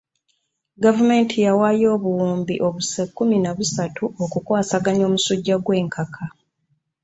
Gavumenti yawaayo obuwumbi obuse kkumi na busatu okukwasaganya omusujja gw'enkaka.